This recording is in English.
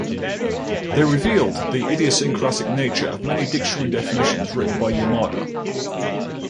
They revealed the idiosyncratic nature of many dictionary definitions written by Yamada.